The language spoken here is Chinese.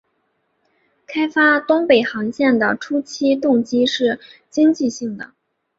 开发东北航线的初期动机是经济性的。